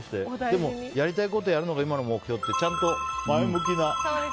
でも、やりたいことやるのが今の目標ってちゃんと前向きな。